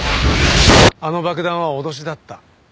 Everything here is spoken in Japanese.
あの爆弾は脅しだった。